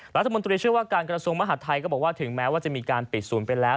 รัฐมนตรีเชื่อว่าการกระทรวงมหาดไทยก็บอกว่าถึงแม้ว่าจะมีการปิดศูนย์ไปแล้ว